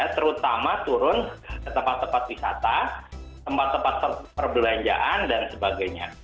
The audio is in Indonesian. terutama turun ke tempat tempat wisata tempat tempat perbelanjaan dan sebagainya